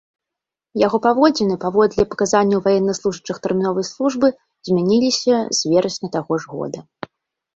Яго паводзіны, паводле паказанняў ваеннаслужачых тэрміновай службы, змяніліся з верасня таго ж года.